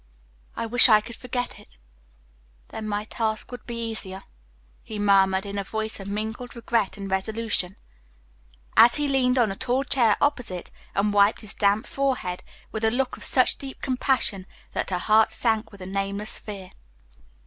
"I wish I could forget it. Then my task would be easier," he murmured in a voice of mingled regret and resolution, as he leaned on a tall chair opposite and wiped his damp forehead, with a look of such deep compassion that her heart sank with a nameless fear.